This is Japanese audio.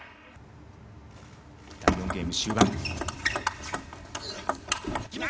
第４ゲーム終盤。